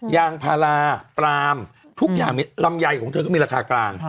ยางพาราปรามทุกอย่างลำไยของเธอก็มีราคากลาง